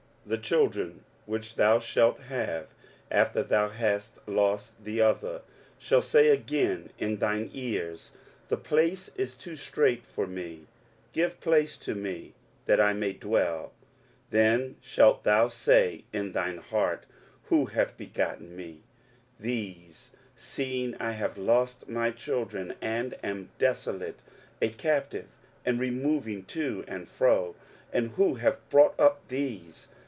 23:049:020 The children which thou shalt have, after thou hast lost the other, shall say again in thine ears, The place is too strait for me: give place to me that I may dwell. 23:049:021 Then shalt thou say in thine heart, Who hath begotten me these, seeing I have lost my children, and am desolate, a captive, and removing to and fro? and who hath brought up these?